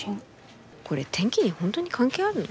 これ天気に本当に関係あるの？